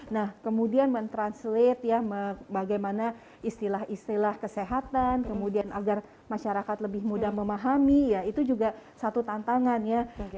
nah kemudian mentranslate ya bagaimana istilah istilah kesehatan kemudian agar masyarakat lebih mudah memahami ya itu juga satu tantangan ya